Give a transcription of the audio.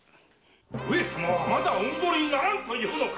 上様はまだお戻りにならんというのか！？